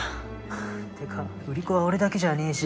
ってか売り子は俺だけじゃねえし。